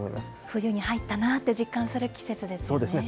冬に入ったなって実感する季節ですね。